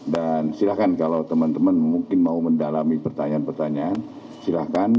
dan silakan kalau teman teman mungkin mau mendalami pertanyaan pertanyaan silakan